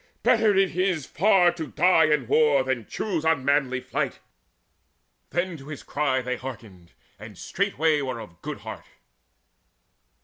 Better it is by far To die in war than choose unmanly flight!" Then to his cry they hearkened, and straightway Were of good heart.